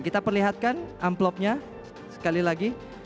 kita perlihatkan amplopnya sekali lagi